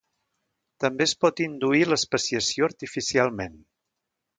També es pot induir l'especiació artificialment.